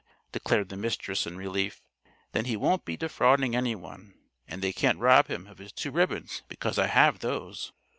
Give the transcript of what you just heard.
declared the Mistress in relief. "Then he won't be defrauding anyone, and they can't rob him of his two ribbons because I have those."